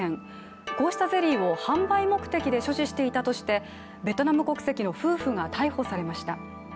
こうしたゼリーを販売目的で所持していたとしてベトナム国籍の夫婦が逮捕されました。